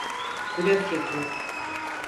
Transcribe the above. Blöf yapıyor.